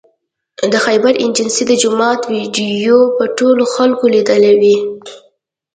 د خیبر ایجنسۍ د جومات ویدیو به ټولو خلکو لیدلې وي